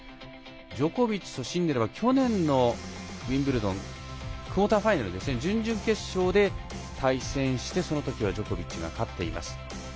ジョコビッチとシンネルは去年のウィンブルドンクオーターファイナル準々決勝で対戦してその時はジョコビッチが勝っています。